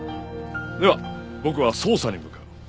では僕は捜査に向かう。